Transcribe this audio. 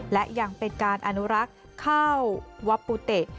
และยังเป็นการอนุรักษ์เข้าวัดปูเตะ